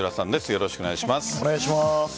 よろしくお願いします。